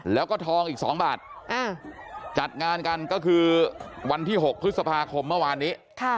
แล้วก็ทองอีก๒บาทจัดงานกันก็คือวันที่๖พฤษภาคมเมื่อวานนี้